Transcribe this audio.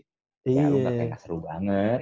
ya lu nggak kena seru banget